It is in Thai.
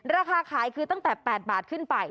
ราคาขายคือตั้งแต่๘บาทขึ้นไป